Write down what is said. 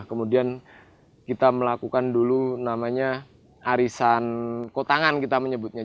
kemudian kita melakukan dulu namanya arisan kotangan kita menyebutnya